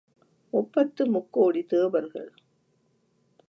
முப்பத்து முக்கோடி தேவர்கள்.